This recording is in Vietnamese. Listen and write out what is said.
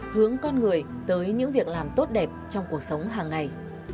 hướng con người tới những việc làm tốt đẹp trong cuộc sống hàng ngày